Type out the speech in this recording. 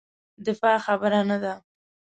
دفاع خبره نه ده.